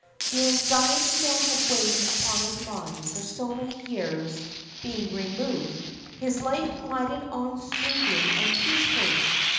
The anxiety that had weighed upon his mind for so many years being removed, his life glided on smoothly and peacefully.